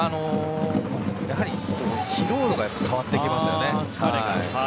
やはり疲労度が変わってきますよね。